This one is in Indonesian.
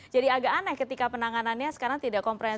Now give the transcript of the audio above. jadi agak aneh ketika penanganannya sekarang tidak komprehensif